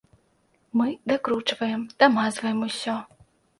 Мы дакручваем, дамазваем усё.